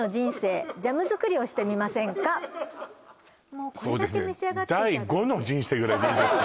もうこれだけ召し上がってそうですね